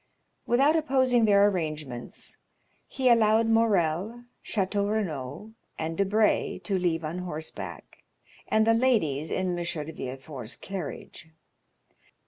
Without opposing their arrangements, he allowed Morrel, Château Renaud, and Debray to leave on horseback, and the ladies in M. de Villefort's carriage.